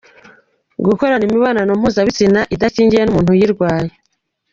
Gukorana imibonano mpuzabitsina idakingiye n’umuntu uyirwaye.